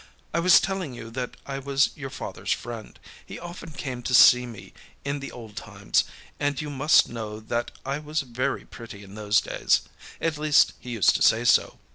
I was telling you that I was your fatherâs friend; he often came to see me in the old times, and you must know that I was very pretty in those days; at least, he used to say so.